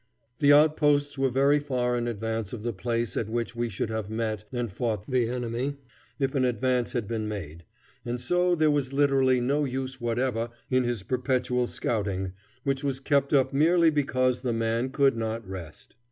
The outposts were very far in advance of the place at which we should have met and fought the enemy if an advance had been made, and so there was literally no use whatever in his perpetual scouting, which was kept up merely because the man could not rest.